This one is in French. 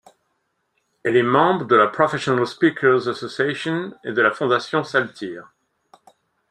Elle est membre de la Professional Speakers Association et de la Fondation Saltire.